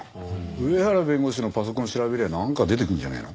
上原弁護士のパソコン調べればなんか出てくるんじゃねえの？